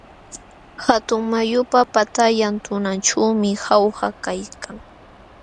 Hatun mayupa patallan tunanćhuumi Jauja kaykan.